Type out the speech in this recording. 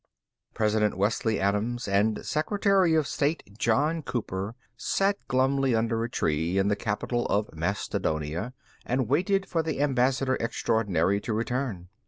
_ II President Wesley Adams and Secretary of State John Cooper sat glumly under a tree in the capital of Mastodonia and waited for the ambassador extraordinary to return.